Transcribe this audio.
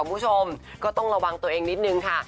คุณผู้ชมก็ต้องระวังตัวเองนิดนึงค่ะ